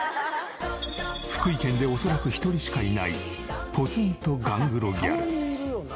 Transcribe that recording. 福井県でおそらく一人しかいないポツンとガングロギャル。